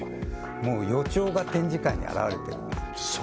もう予兆が展示会に表れてるんです